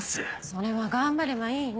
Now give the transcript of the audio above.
それは頑張ればいいの。